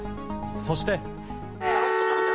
そして。